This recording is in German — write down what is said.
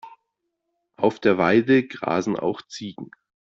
Auf der Weide grasen auch Ziegen.